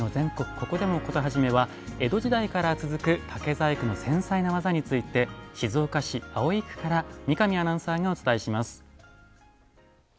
ここでもコトはじめ」は江戸時代から続く竹細工の繊細な技について静岡市葵区から三上アナウンサーがお伝えします。